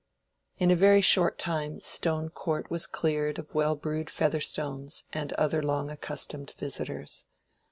In a very short time Stone Court was cleared of well brewed Featherstones and other long accustomed visitors.